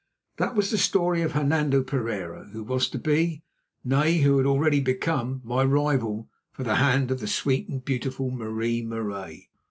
That was the story of Hernando Pereira, who was to be—nay, who had already become—my rival for the hand of the sweet and beautiful Marie Marais.